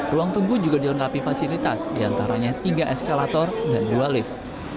ruang tunggu juga dilengkapi fasilitas diantaranya tiga eskalator dan dua lift